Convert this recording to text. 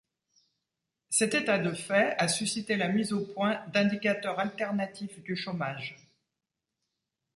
Cet état de fait a suscité la mise au point d'indicateurs alternatifs du chômage.